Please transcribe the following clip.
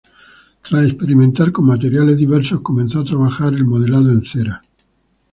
Tras experimentar con materiales diversos, comenzó a trabajar el modelado en cera.